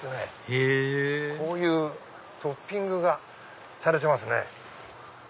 へぇこういうトッピングがされてますね。